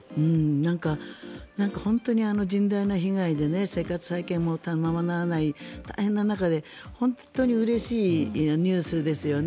なんか本当に甚大な被害で生活再建もままならない大変な中で、本当にうれしいニュースですよね。